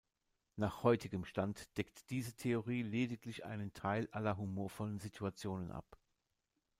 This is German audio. Nach heutigem Stand deckt diese Theorie lediglich einen Teil aller humorvollen Situationen ab.